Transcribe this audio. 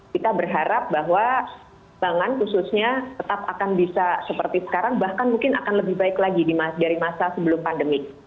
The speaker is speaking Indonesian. kita berharap bahwa pangan khususnya tetap akan bisa seperti sekarang bahkan mungkin akan lebih baik lagi dari masa sebelum pandemi